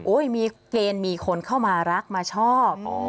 มีเกณฑ์มีคนเข้ามารักมาชอบ